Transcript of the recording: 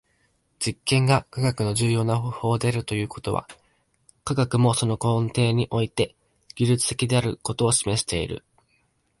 実験が科学の重要な方法であるということは、科学もその根底において技術的であることを示している。